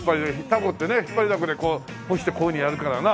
タコってね引っ張りだこでこう干してこういうふうにやるからな。